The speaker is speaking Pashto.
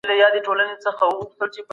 تور به خلوت وي د ریاکارو